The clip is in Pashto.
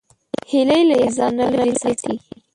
هیلۍ له یخنۍ نه ځان لیرې ساتي